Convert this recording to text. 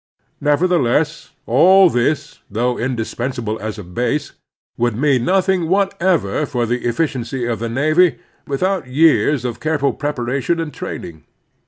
Nevertheless, all this, though indispensable as a base, would mean nothing whatever for the efficiency of the navy without years of careful preparation and training.